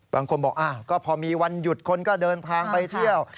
บางคนบอกก็พอมีวันหยุดคนก็เดินทางไปเที่ยว